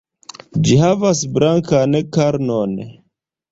Ĝi havas blankan karnon.